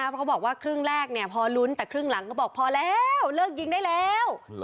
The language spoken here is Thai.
เพราะเขาบอกว่าครึ่งแรกพอลุ้นแต่ครึ่งหลังก็บอกพอแล้วเลิกยิงได้แล้ว